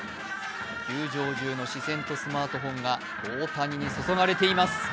球場中の視線とスマートフォンが大谷に注がれています。